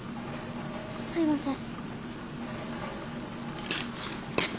すいません。